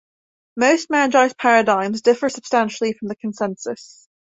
Most Magi's paradigms differ substantially from the consensus.